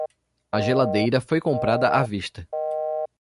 A geladeira foi comprada à vista.